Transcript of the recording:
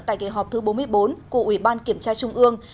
tại kỳ họp thứ bốn mươi bốn của ủy ban kiểm tra trung ương